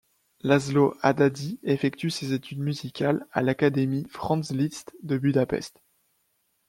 Laszlo Hadady effectue ses études musicales à l'Académie Franz Liszt de Budapest.